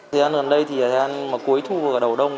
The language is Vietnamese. thế gian gần đây cuối thu vào đầu đông